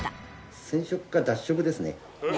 染色か脱色ですね。